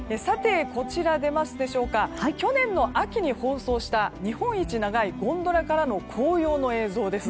去年の秋に放送した日本一長いゴンドラからの紅葉の映像です。